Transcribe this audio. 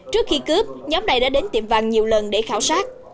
trước khi cướp nhóm này đã đến tiệm vàng nhiều lần để khảo sát